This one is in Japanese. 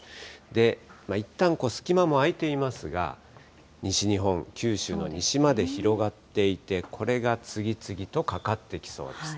で、いったん隙間も空いていますが、西日本、九州の西まで広がっていて、これが次々とかかってきそうです。